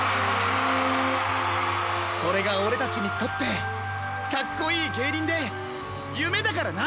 それがオレたちにとってかっこいいげいにんでゆめだからな！